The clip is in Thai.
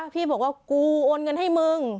พี่บอกว่ากูโอนเงินให้มึง